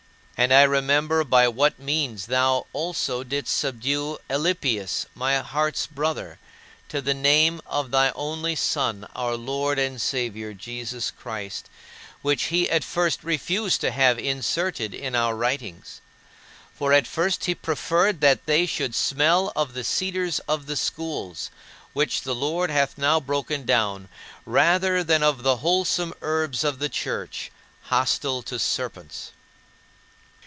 And I remember by what means thou also didst subdue Alypius, my heart's brother, to the name of thy only Son, our Lord and Saviour Jesus Christ which he at first refused to have inserted in our writings. For at first he preferred that they should smell of the cedars of the schools which the Lord hath now broken down, rather than of the wholesome herbs of the Church, hostile to serpents.